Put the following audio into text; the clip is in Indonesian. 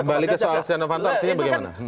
kembali ke soal sian afan tauh itu bagaimana